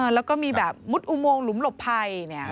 แล้วก็มีแบบมุดอุโมงหลุมหลบภัย